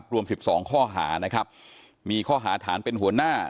รวม๑๒ข้อหานะครับมีข้อหาฐานเป็นหัวหน้า